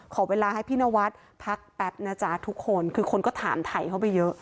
ขอเวลาให้พี่นวัดพักแป๊บนะจ๊ะทุกคนคือคนก็ถามถ่ายเข้าไปเยอะ